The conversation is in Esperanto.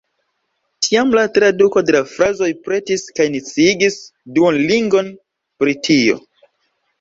Tiam la traduko de la frazoj pretis kaj ni sciigis Duolingon pri tio.